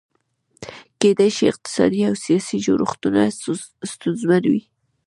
کېدای شي اقتصادي او سیاسي جوړښتونه ستونزمن وي.